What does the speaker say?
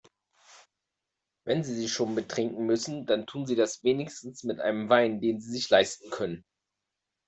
Wenn Sie sich schon betrinken müssen, dann tun Sie das wenigstens mit einem Wein, den Sie sich leisten können.